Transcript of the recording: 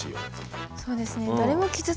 そうですね。